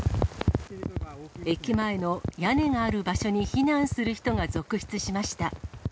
駅前の屋根がある場所に避難する人が続出しました。